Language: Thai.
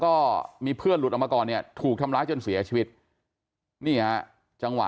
ก็มีเพื่อนหลุดออกมาก่อนเนี่ยถูกทำร้ายจนเสียชีวิตนี่ฮะจังหวะ